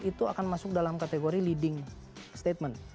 itu akan masuk dalam kategori leading statement